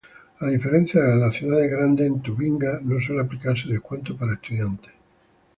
A diferencia de las ciudades grandes, en Tubinga no suelen aplicarse descuentos para estudiantes.